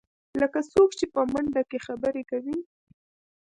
لکه څوک چې په منډه کې خبرې کوې.